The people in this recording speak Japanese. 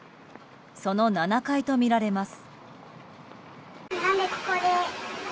その７階とみられます。